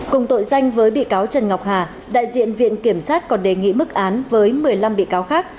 cùng tội danh với bị cáo trần ngọc hà đại diện viện kiểm sát còn đề nghị mức án với một mươi năm bị cáo khác